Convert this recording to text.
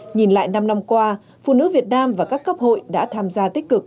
nhìn lại năm năm qua phụ nữ việt nam và các cấp hội đã tham gia tích cực